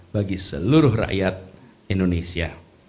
bagi seluruh rakyat indonesia